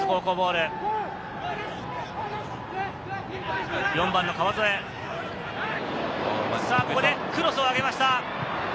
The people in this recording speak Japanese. ここでクロスを上げました。